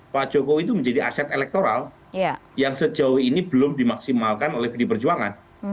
pak jokowi itu menjadi aset elektoral yang sejauh ini belum dimaksimalkan oleh pdi perjuangan